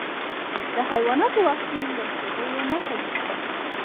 د حیواناتو واکسین د ناروغیو مخه نيسي.